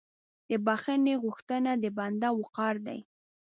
د بخښنې غوښتنه د بنده وقار دی.